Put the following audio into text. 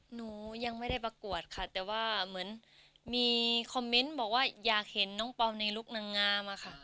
หนูยังไม่ได้ประกวดค่ะแต่ว่าเหมือนมีคอมเมนต์บอกว่าอยากเห็นน้องเปล่าในลุคนางงามอะค่ะ